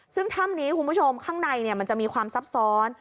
ซึ่งถ้ำนี้คุณผู้ชมข้างในมันจะมีความซับซ้อน